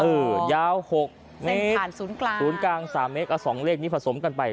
คือยาว๖เมกต์แสงผ่านศูนย์กลางศูนย์กลาง๓เมกต์กับ๒เลขนี้ผสมกันไป